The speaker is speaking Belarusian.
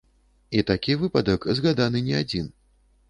І такі выпадак згаданы не адзін.